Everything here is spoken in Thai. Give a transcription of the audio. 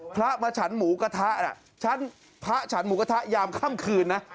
พระมาฉันหมูกระทะน่ะฉันพระฉันหมูกระทะยามค่ำคืนนะ